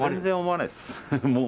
全然思わないです。